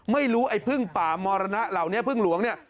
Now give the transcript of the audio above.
ไม่รู้ไอ้พึ่งป่ามรณะเหล่านี้พึ่งหลวงเนี่ย